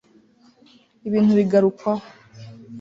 ibintu bigarukwaho